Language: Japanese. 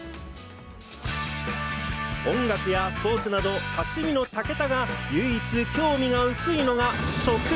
音楽やスポーツなど、多趣味の武田が唯一興味が薄いのが食。